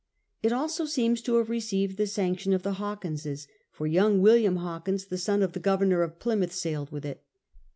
It also seems to have received the sanction of the Hawkinses, for young William Hawkins, the son of the Governor of Plymouth, sailed with it.